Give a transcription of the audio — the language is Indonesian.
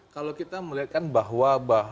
kalau kita melihatkan bahwa